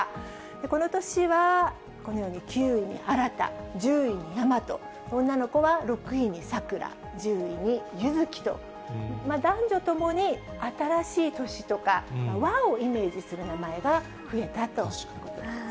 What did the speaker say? この年はこのように、９位に新、１０位に大和、女の子は６位に咲良、１０位に結月と、男女ともに新しい年とか、和をイメージする名前が増えたというこ